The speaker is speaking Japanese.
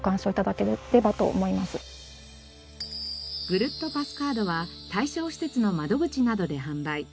ぐるっとパスカードは対象施設の窓口などで販売。